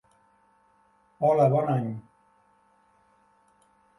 Hola, bon any.